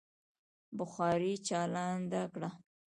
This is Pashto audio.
بخارۍ چالانده کړه.